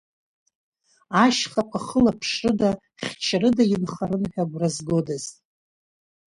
Ашьхақәа хылаԥшрыда, хьчарыда инхарын ҳәа агәра згодаз.